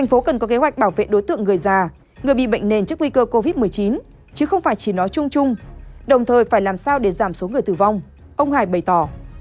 nên trước nguy cơ covid một mươi chín chứ không phải chỉ nói chung chung đồng thời phải làm sao để giảm số người tử vong ông hải bày tỏ